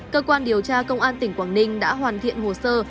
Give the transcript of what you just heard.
cơ quan điều tra công an tỉnh quảng ninh đã hoàn thiện hồ sơ